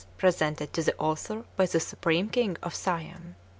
presented to the author by the Supreme King of Siam.